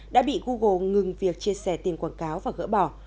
đã bị google ngừng việc chia sẻ tiền quảng cáo và gỡ bỏ